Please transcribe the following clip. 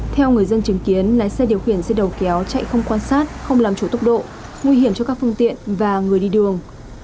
theo người dân chứng kiến lái xe điều khiển xe đầu kéo chạy không quan sát không làm chủ tốc độ nguy hiểm cho các phương tiện và người đi đường